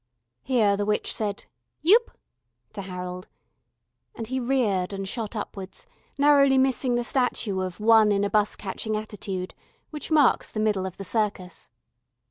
Here the witch said "Yoop" to Harold, and he reared and shot upwards, narrowly missing the statue of One In A Bus catching Attitude, which marks the middle of the Circus.